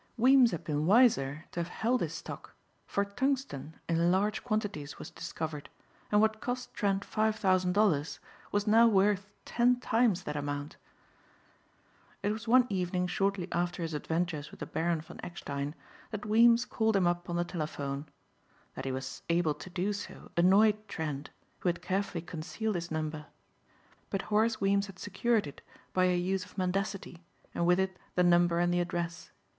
Weems had been wiser to have held his stock for tungsten in large quantities was discovered and what cost Trent five thousand dollars was now worth ten times that amount. It was one evening shortly after his adventures with the Baron von Eckstein that Weems called him up on the telephone. That he was able to do so annoyed Trent who had carefully concealed his number. But Horace Weems had secured it by a use of mendacity and with it the number and the address.